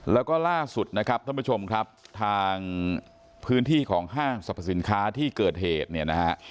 แล้วก็ล่าสุดนะครับท่านผู้ชมครับทางพื้นที่ของห้างสรรพสินค้าที่เกิดเหตุเนี่ยนะฮะ